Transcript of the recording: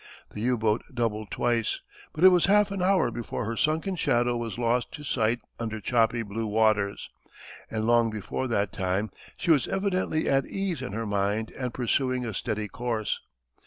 The U boat doubled twice; but it was half an hour before her sunken shadow was lost to sight under choppy blue waters, and long before that time she was evidently at ease in her mind and pursuing a steady course.